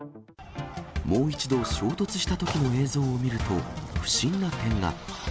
もう一度衝突したときの映像を見ると、不審な点が。